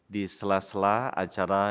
di salah salah acara